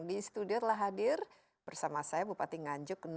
di studio adalah hadir with me pregnant beach nyai